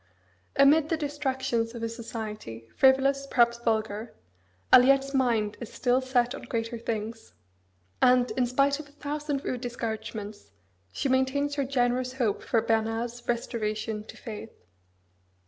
Amid the distractions of a society, frivolous, perhaps vulgar, Aliette's mind is still set on greater things; and, in spite of a thousand rude discouragements, she maintains her generous hope for Bernard's restoration to faith.